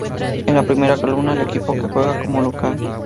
En la primera columna, el equipo que juega como local.